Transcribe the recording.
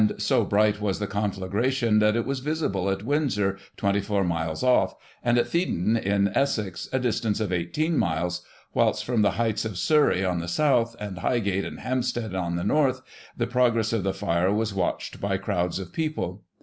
[1838 so bright was the conflagration, that it was visible at Windsor — twenty four miles off, and at Theydon, in Essex, a distance of eighteen miles ; whilst from the heights of Surrey on the south, and Highgate and Hampstead on the north, the pro gress of the fire was watched by crowds of people.